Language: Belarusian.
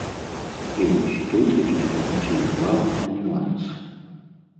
І вось тут звярніце ўвагу на нюанс.